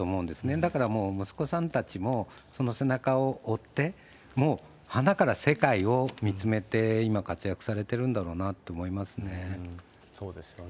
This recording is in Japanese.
だからもう息子さんたちもその背中を追って、もうはなから世界を見つめて今、活躍されてるんだろうなと思いますね。